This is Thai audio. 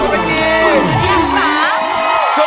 สวัสดีค่ะคุณผู้ชม